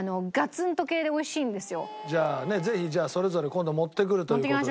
じゃあねぜひそれぞれ今度持ってくるという事で。